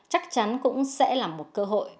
chắc chắn cũng sẽ là một cơ hội